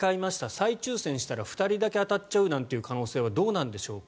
再抽選したら２人だけ当たっちゃう可能性はどうなんでしょうか。